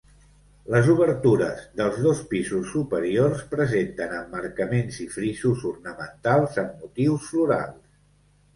Les obertures dels dos pisos superiors presenten emmarcaments i frisos ornamentals amb motius florals.